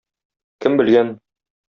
Кем белгән...